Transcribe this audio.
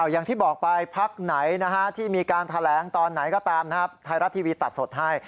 อย่างที่บอกไปพักไหนที่มีการแถลงตอนไหนก็ตามนะครับไทยรัฐทีวีตัดสดให้